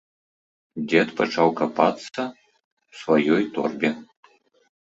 Дзед пачаў капацца ў сваёй торбе.